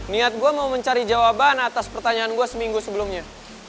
niat gue mau mencari jawaban atas pertanyaan gue seminggu sebelumnya